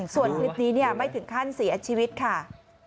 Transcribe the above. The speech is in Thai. ส่วนคลิปนี้ไม่ถึงขั้นเสียชีวิตค่ะ